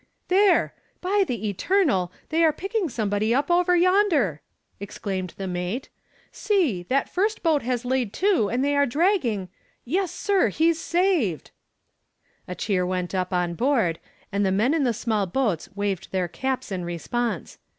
"There! By the eternal, they are picking somebody up over yonder," exclaimed the mate. "See! that first boat has laid to and they are dragging yes, sir, he's saved!" A cheer went up on board and the men in the small boats waved their caps in response.